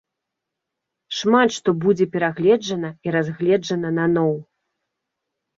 Шмат што будзе перагледжана і разгледжана наноў.